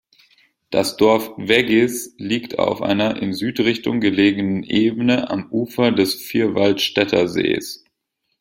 Das Dorf Weggis liegt auf einer in Südrichtung gelegenen Ebene am Ufer des Vierwaldstättersees.